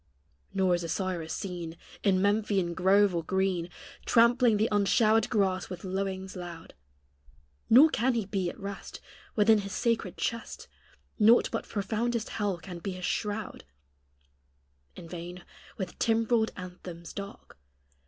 Nor is Osiris seen In Memphian grove or green, Trampling the unshowered grass with lowings loud, Nor can he be at rest Within his sacred chest Naught but profoundest hell can be his shroud; In vain, with timbrelled anthems dark.